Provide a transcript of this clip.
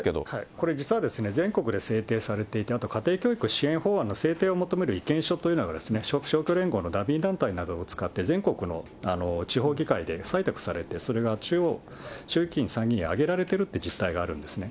これ、実は全国で制定されていて、あと家庭教育支援法案の制定を求める意見書というのが、勝共連合のダミー団体などを使って全国の地方議会で採択されて、それが中央、衆議院、参議院に挙げられているという実態があるんですね。